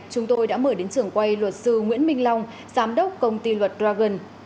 chúng tôi đã mời đến trường quay luật sư nguyễn minh long giám đốc công ty luật dragon